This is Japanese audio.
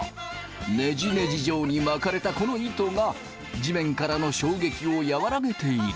ネジネジ状に巻かれたこの糸が地面からの衝撃を和らげている。